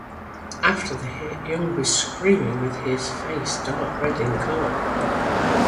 After the hit, Young was screaming with his face dark red in color.